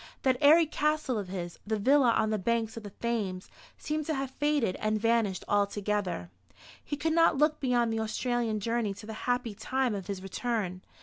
That airy castle of his the villa on the banks of the Thames seemed to have faded and vanished altogether. He could not look beyond the Australian journey to the happy time of his return.